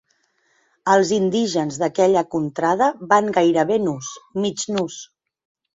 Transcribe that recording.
Els indígenes d'aquella contrada van gairebé nus, mig nus.